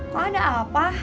kok ada apa